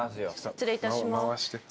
失礼いたします。